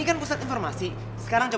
kamu balik biara adiknya